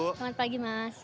selamat pagi mas